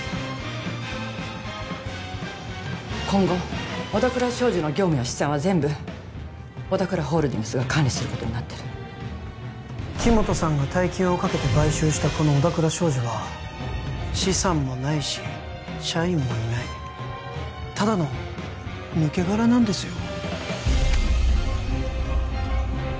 今後小田倉商事の業務や資産は全部小田倉ホールディングスが管理することになってる木元さんが大金をかけて買収したこの小田倉商事は資産もないし社員もいないただの抜け殻なんですよ